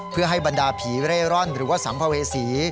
เพื่อให้บรรดาผีเร่ร่อนหรือว่าสัมภเวษี